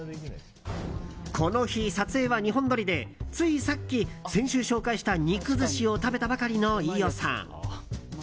この日、撮影は２本撮りでついさっき先週紹介した肉寿司を食べたばかりの飯尾さん。